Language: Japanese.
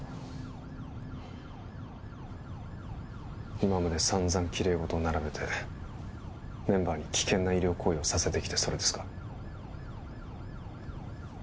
今までさんざんきれいごとを並べてメンバーに危険な医療行為をさせてきてそれですか？